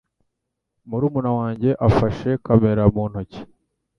Murumuna wanjye afashe kamera mu ntoki.